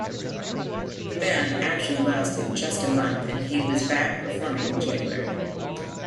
The ban actually lasted just a month as he was back performing in January.